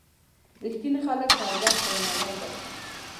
رښتیني خلک هر وخت درناوی لري.